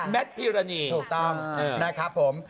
แมทพีราเนียถูกต้อง